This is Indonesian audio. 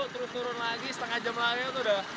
terus turun lagi setengah jam lagi tuh udah